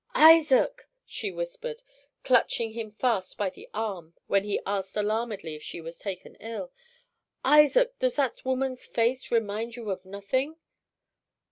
"Isaac," she whispered, clutching him fast by the arm when he asked alarmedly if she was taken ill, "Isaac, does that woman's face remind you of nothing?"